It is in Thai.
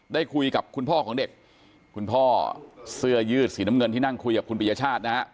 ได้คุยกับคุณพ่อของเด็กคุณพ่อเสื้อยืดสีน้ำเงินที่นั่งคุยกับคุณปียชาตินะฮะ